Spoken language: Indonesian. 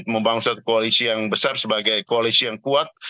membangun suatu koalisi yang besar sebagai koalisi yang kuat